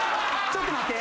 ちょっと待って。